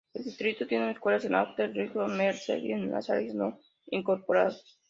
El distrito tiene escuelas en Atwater, Livingston, Merced, y en las áreas no incorporadas.